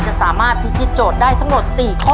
จะสามารถพิทิธจดได้ทั้งหมด๔ข้อ